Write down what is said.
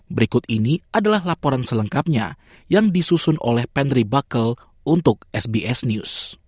berikut ini adalah laporan selengkapnya yang disusun oleh penry buckle untuk sbs news